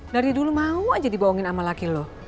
dari dulu mawajah dibawohin sama laki lu